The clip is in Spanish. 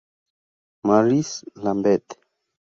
Mary's, Lambeth.